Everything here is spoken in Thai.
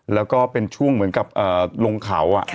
แล้วก็เป็นช่วงเหมือนกับลงเขา